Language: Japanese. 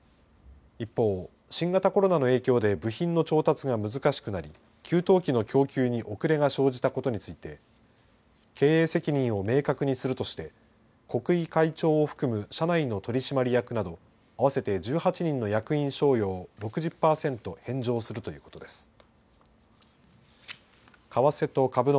一方、新型コロナの影響で部品の調達が難しくなり給湯器の供給に遅れが生じたことについて経営責任を明確にするとして國井会長を含む社内の取締役など合わせて１８人の役員賞与を６０％返上するということです。